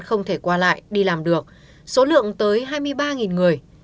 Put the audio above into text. không thể qua lại đi làm được số lượng tới hai mươi ba người